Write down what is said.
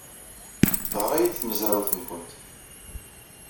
Teɣra-iyi-d tmezrawt-nwent.